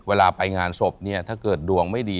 เวลาไปงานศพเนี่ยถ้าเกิดดวงไม่ดี